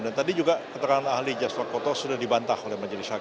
dan tadi juga keterangan ahli jaswa koto sudah dibantah oleh majelis hakim